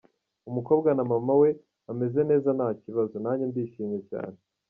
Umukobwa na mama we bameze neza nta kibazo, nanjye ndishimye cyane.